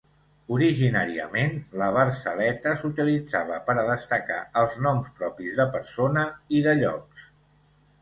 Originàriament, la versaleta s'utilitzava per a destacar els noms propis de persona i de llocs.